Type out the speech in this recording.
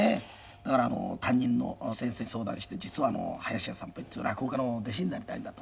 だから担任の先生に相談して「実は林家三平っていう落語家の弟子になりたいんだ」と。